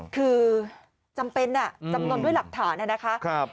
คือจำเป็นจำนวนด้วยหลักฐานนะคะ